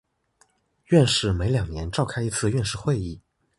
院士每两年召开一次院士会议。